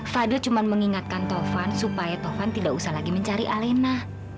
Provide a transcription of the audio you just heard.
fadil cuma mengingatkan taufan supaya taufan tidak usah lagi mencari alena